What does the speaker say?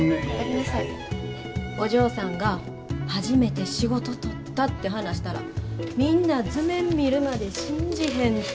お嬢さんが初めて仕事取ったって話したらみんな図面見るまで信じへんて！